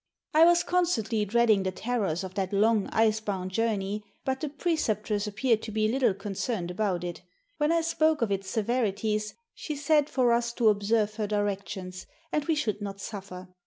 I was constantly dreading the terrors of that long ice bound journey, but the Preceptress appeared to be little concerned about it. When I spoke of its severities, she said for us to observe her directions, and we should not suffer.